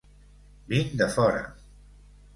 Vinc de fora.